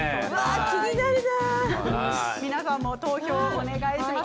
皆さんも投票お願いします。